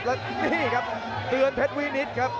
แล้วนี่ครับเตือนเพชรวินิตครับ